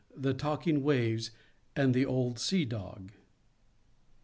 THE TALKING WAVES, AND THE OLD SEA DOG.